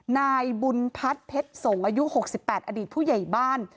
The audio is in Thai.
นายบุญพัดเพชรสงค์อายุหกสิบแปดอดีตผู้ใหญ่บ้าน